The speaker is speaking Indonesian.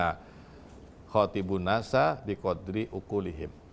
nah khotibunasa dikodri ukulihim